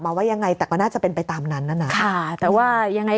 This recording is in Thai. ว่ายังไงแต่ก็น่าจะเป็นไปตามนั้นน่ะนะค่ะแต่ว่ายังไง